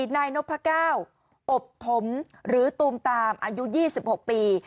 นายนพก้าวอบถมหรือตูมตามอายุ๒๖ปี